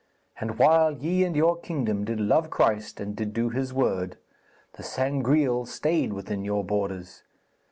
And while ye and your kingdom did love Christ and did do His word, the Sangreal stayed within your borders.